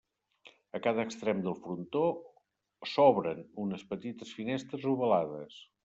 A cada extrem del frontó, s'obren unes petites finestres ovalades.